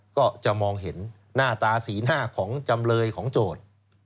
ก็จะมองเห็นหน้าตาศีลหน้าของจำเลยของโจทย์